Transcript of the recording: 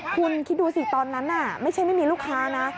คุณคิดดูสิตอนนั้นไม่ใช่ไม่มีลูกค้านะ